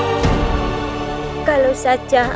ibu aku lapar bu sabar nak sebentar lagi mas